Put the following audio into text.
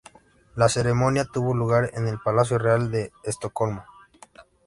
La ceremonia tuvo lugar en el Palacio Real de Estocolmo.